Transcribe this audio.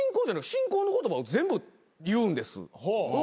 進行の言葉を全部言うんです。